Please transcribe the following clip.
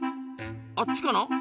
あっちかな？